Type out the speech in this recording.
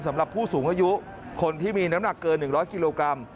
สำหรับผู้สูงอายุคนที่มีน้ำหนักเกิน๑๐๐กิโลกรัม